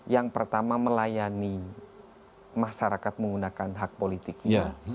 yang pertama melayani masyarakat menggunakan hak politiknya